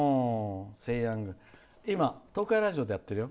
今、東海ラジオでやってるよ。